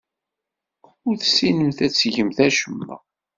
Ur tessinemt ad tgemt acemma.